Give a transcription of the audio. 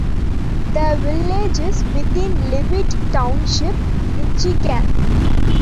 The village is within Leavitt Township, Michigan.